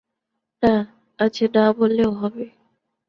না, আজ না-বললেও হবে।